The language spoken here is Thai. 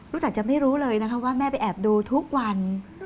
จะไม่รู้เลยนะคะว่าแม่ไปแอบดูทุกวัน